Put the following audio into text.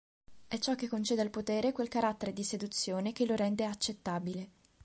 È ciò che concede al potere quel carattere di seduzione che lo rende accettabile.